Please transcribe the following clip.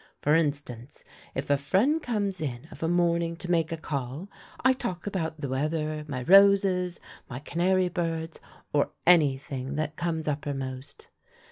For instance, if a friend comes in of a morning to make a call, I talk about the weather, my roses, my Canary birds, or any thing that comes uppermost."